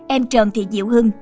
em trần thị diệu hưng